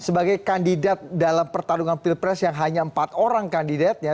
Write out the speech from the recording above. sebagai kandidat dalam pertarungan pilpres yang hanya empat orang kandidatnya